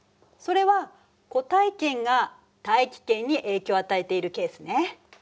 それは固体圏が大気圏に影響を与えているケースね。